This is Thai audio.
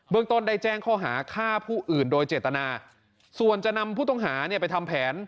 เมืองต้นได้แจ้งข้อหาฆ่าผู้อื่นโดยเจตนาส่วนจะนำผู้ต้องหาเนี่ยไปทำแผน